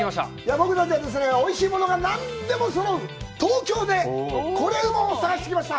僕たちはですね、おいしいものが何でもそろう東京で「コレうま」を探してきました。